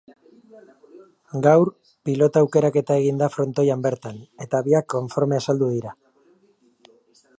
Gaur, pilota aukeraketa egin da frontoian bertan eta biak konforme azaldu dira.